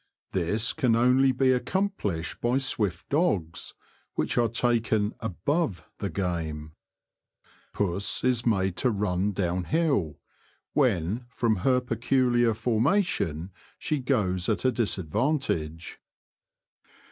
This can only be accomplished by The Confessions of a Poacher, 69 swift dogs, which are taken above the game. Puss is made to run down hill, when, from her peculiar formation, she goes at a disadvantage.